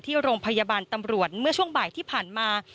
ที่โรงพยาบาลตำรวจเมื่อช่วงบ่ายที่ผ่านมา